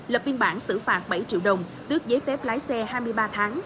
lập biên bản xử phạt bảy triệu đồng tước giấy phép lái xe hai mươi ba tháng